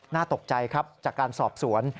น่าตกใจครับจากการสอบสวน